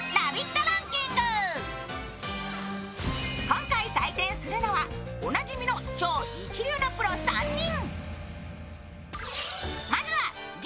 今回採点するのはおなじみの超一流のプロ３人。